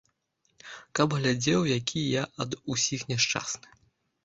Каб глядзеў, які я ад усіх няшчасны?